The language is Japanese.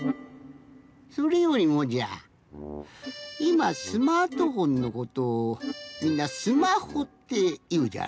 それよりもじゃいまスマートフォンのことをみんな「スマホ」っていうじゃろ。